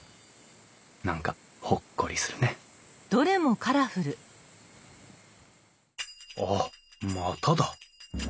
何かほっこりするねあっまただ。